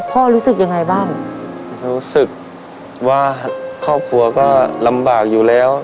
รู้สึกยังไงบ้างรู้สึกว่าครอบครัวก็ลำบากอยู่แล้ว